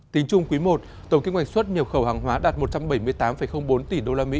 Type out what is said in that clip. tính chung quý i tổng kinh hoạch xuất nhập khẩu hàng hóa đạt một trăm bảy mươi tám bốn tỷ usd